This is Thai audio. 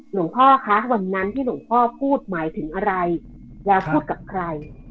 หลวงพ่อคะวันนั้นที่หลวงพ่อพูดหมายถึงอะไรยาพูดกับใคร